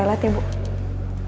ya udah silahkan